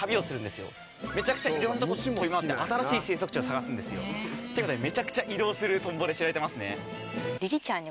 めちゃくちゃいろんなとこ飛び回って新しい生息地を探すんですよということでめちゃくちゃ移動するトンボで知られてますね。